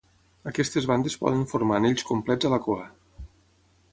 Aquestes bandes poden formar anells complets a la cua.